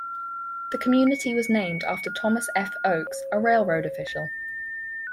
The community was named after Thomas F. Oakes, a railroad official.